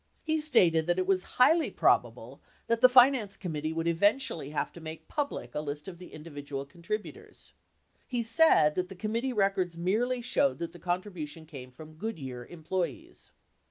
He stated that it was highly probable that the finance com mittee would eventually have to make public a list of the indi vidual contributors. He said that the committee records merely showed that the contribution came from Goodyear employees.